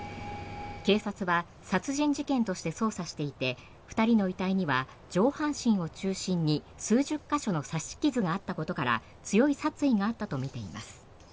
警察は殺人事件として捜査していて２人の遺体には上半身を中心に数十か所の刺し傷があったことから強い殺意があったとみています。